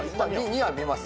２は見ます。